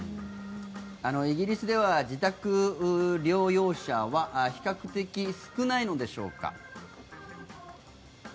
イギリスでは自宅療養者は比較的少ないのでしょうか。